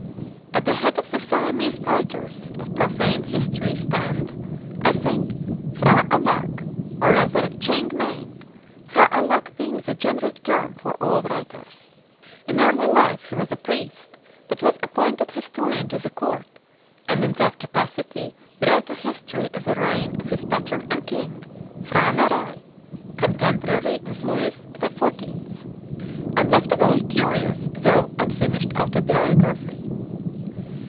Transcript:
At the head of the Siamese writers of profane history stands, I think, P'hra Alack, or rather Cheing Meing, P'hra Alack being the generic term for all writers. In early life he was a priest, but was appointed historian to the court, and in that capacity wrote a history of the reign of his patron and king, P'hra Narai, (contemporary with Louis XIV.) and left a very curious though unfinished autobiography.